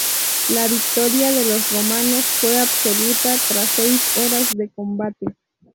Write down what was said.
La victoria de los romanos fue absoluta tras seis horas de combate.